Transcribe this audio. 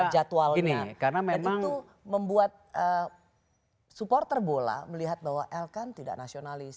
jadi itu membuat supporter bola melihat bahwa elkan tidak naturalis